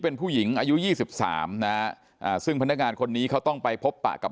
เป็นผู้หญิงอายุ๒๓นะซึ่งพนักงานคนนี้เขาต้องไปพบป่ากับ